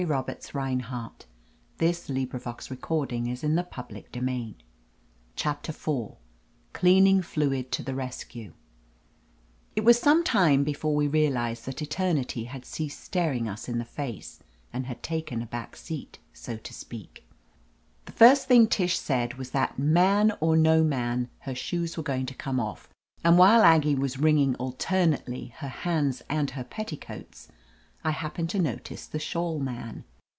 J CHAPTER IV CLEANING FLUID TO THE RESCtJE IT was some time before we could realize that eternity had ceased staring us in the face and had taken a back seat, so to speak. The first thing Tish said was that, man or no man, her shoes were going to come off, and while Aggie was wringing alternately her hands and her petticoats, I happened to notice the Shawl Man.